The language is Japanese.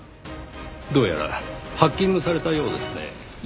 どうやらハッキングされたようですねぇ。